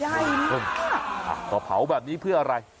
ใหญ่มากกกกก็เผาแบบนี้เพียวอะไร